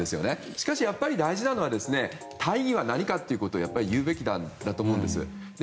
しかし、やっぱり大事なのは大義は何かということを言うべきだと思うんです。